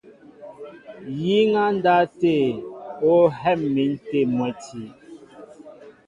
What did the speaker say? Yíŋ á ndáw tê, ó hɛ̂m̀in tê mwɛ̌ti.